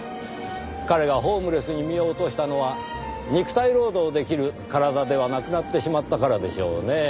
彼がホームレスに身を落としたのは肉体労働出来る体ではなくなってしまったからでしょうねぇ。